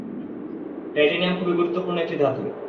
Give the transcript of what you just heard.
Titanium খুবই গুরুত্বপূর্ণ একটি ধাতু।